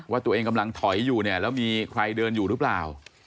ว่าตัวเองกำลังถอยอยู่เนี่ยแล้วมีใครเดินอยู่หรือเปล่า